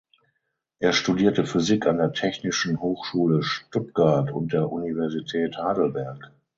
Er studierte Physik an der Technischen Hochschule Stuttgart und der Universität Heidelberg.